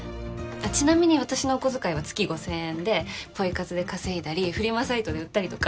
ちなみに私のお小遣いは月５，０００円でポイ活で稼いだりフリマサイトで売ったりとか。